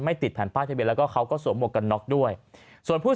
ติดแผ่นป้ายทะเบียนแล้วก็เขาก็สวมหวกกันน็อกด้วยส่วนผู้